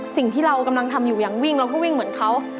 สิ่งที่เรากำลังทำอยู่อย่างวิ่งเราก็วิ่งเหมือนเขา